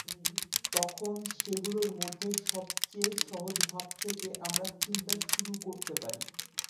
তখন সেগুলোর মধ্যে সবচেয়ে সহজ ভাব থেকে আমরা চিন্তা শুরু করতে পারি।